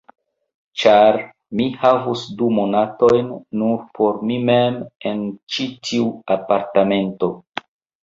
Ĉar mi havus du monatojn, nur por mi mem, en ĉi tiu apartamento.